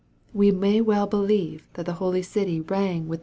We may well believe that the holy city rang with the MARK, CHAP.